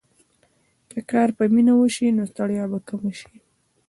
که کار په مینه وشي، نو ستړیا به کمه شي.